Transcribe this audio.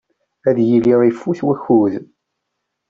Ad yili ifut wakud.